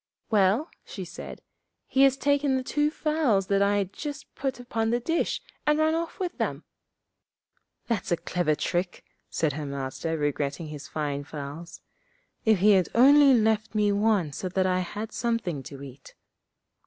'Well,' she said, 'he has taken the two fowls that I had just put upon the dish, and run off with them.' 'That's a clever trick!' said her Master, regretting his fine fowls. 'If he had only left me one so that I had something to eat.'